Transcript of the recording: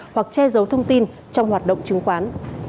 hoặc che giấu thông tin trong hoạt động chứng khoán